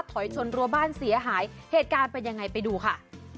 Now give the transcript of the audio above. ถอยชนรัวบ้านเสียหายเหตุการณ์เป็นยังไงไปดูค่ะ